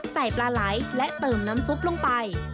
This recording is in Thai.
ปลาไหลและเติมน้ำซุปลงไป